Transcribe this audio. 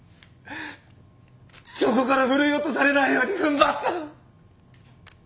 そこからふるい落とされないように踏ん張った！